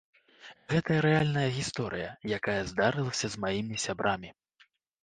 Гэта рэальная гісторыя, якая здарылася з маімі сябрамі.